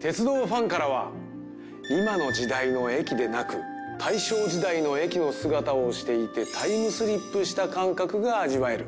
鉄道ファンからは今の時代の駅でなく大正時代の駅の姿をしていてタイムスリップした感覚が味わえる。